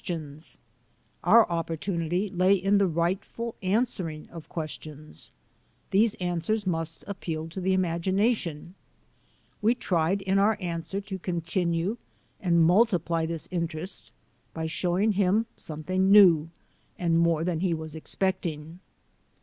He was interested. Our opportunity lay in the rightful answering of questions. These answers must ap peal to the imagination. We tried in our answer to continue and multiply this interest by showing him something new, and more than he was expect ing.